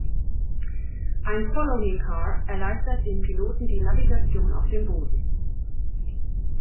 Ein Follow-me-Car erleichtert den Piloten die Navigation auf dem Boden.